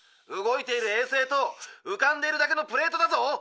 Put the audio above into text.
動いている衛星と浮かんでるだけのプレートだぞ！